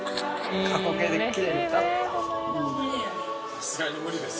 さすがに無理です。